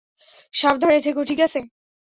সাবধানে থেকো, ঠিক আছে?